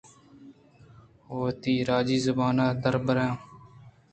ءُ وتی راجی زُبان ءَ دربر آں